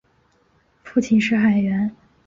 父亲是海员。